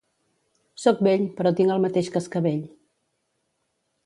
Soc vell, però tinc el mateix cascavell.